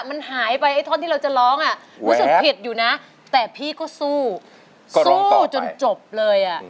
มันหายไปไอ้ท่อนที่เราจะร้องอ่ะรู้สึกผิดอยู่นะแต่พี่ก็สู้สู้จนจบเลยอ่ะ